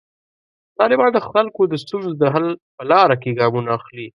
طالبان د خلکو د ستونزو د حل په لاره کې ګامونه اخلي.